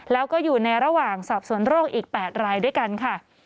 แล้วก็อยู่ในระหว่างสอบสวนโรคอีก๘รายด้วยกันค่ะ